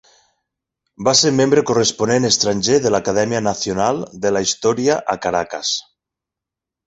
Va ser membre corresponent estranger de l'Acadèmia Nacional de la Història a Caracas.